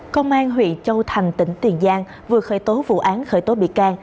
công an huyện châu thành tỉnh tiền giang vừa khởi tố vụ án khởi tố bị can